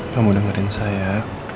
kamu dengerin saya